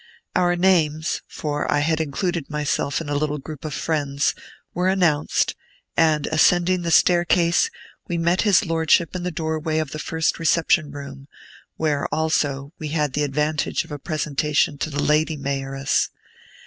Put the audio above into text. Our names (for I had included myself in a little group of friends) were announced; and ascending the staircase, we met his Lordship in the doorway of the first reception room, where, also, we had the advantage of a presentation to the Lady Mayoress.